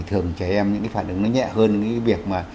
thường trẻ em những cái phản ứng nó nhẹ hơn cái việc mà